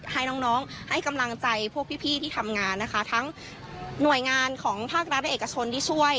ให้น้องน้องให้กำลังใจพวกพี่ที่ทำงานนะคะทั้งหน่วยงานของภาครัฐและเอกชนที่ช่วย